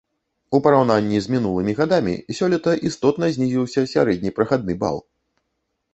У параўнанні з мінулымі гадамі сёлета істотна знізіўся сярэдні прахадны бал.